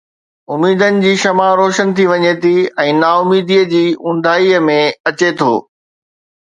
اميدن جي شمع روشن ٿي وڃي ٿي ۽ نا اميديءَ جي اونداهيءَ ۾ اچي ٿو.